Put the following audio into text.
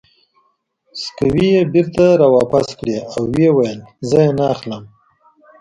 سکوې یې بېرته را واپس کړې او ویې ویل: زه یې نه اخلم.